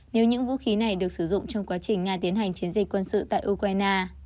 nếu những vũ khí này được sử dụng trong quá trình nga tiến hành chiến dịch quân sự tại ukraine